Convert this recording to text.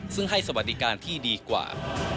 ซึ่งให้สวัสดิการที่ดีกว่า